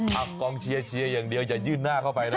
ครับกองเชียร์อย่างเดียวอย่ายืนหน้าเข้าไปนะ